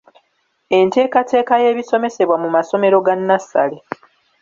Enteekateeka y’ebisomesebwa mu masomero ga nnassale.